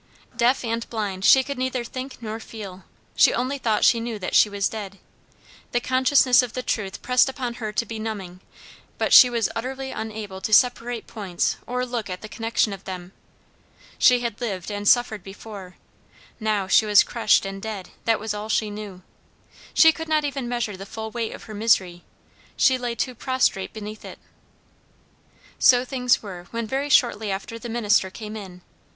Deaf and blind; she could neither think nor feel; she only thought she knew that she was dead. The consciousness of the truth pressed upon her to benumbing; but she was utterly unable to separate points or look at the connection of them. She had lived and suffered before; now she was crushed and dead; that was all she knew. She could not even measure the full weight of her misery; she lay too prostrate beneath it. So things were, when very shortly after the minister came in.